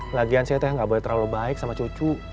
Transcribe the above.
lagian saya teh nggak boleh terlalu baik sama cucu